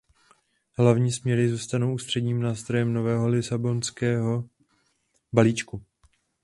Hlavní směry zůstanou ústředním nástrojem nového lisabonského balíčku.